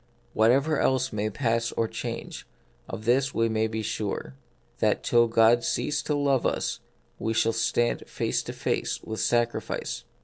Whatever else may pass or change, of this we may be sure, that till God cease to love us we shall stand face to face with sacrifice.